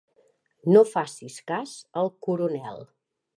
No facis cas al Coronel.